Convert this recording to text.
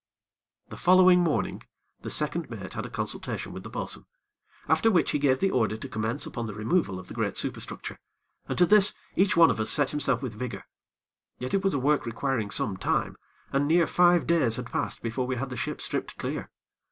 The following morning, the second mate had a consultation with the bo'sun, after which he gave the order to commence upon the removal of the great superstructure, and to this each one of us set himself with vigor. Yet it was a work requiring some time, and near five days had passed before we had the ship stripped clear.